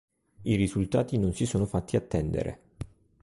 I risultati non si sono fatti attendere.